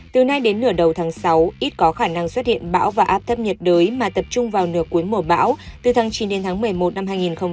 từ nay đến nửa đầu tháng sáu ít có khả năng xuất hiện bão và áp thấp nhiệt đới mà tập trung vào nửa cuối mùa bão từ tháng chín đến tháng một mươi một năm hai nghìn một mươi chín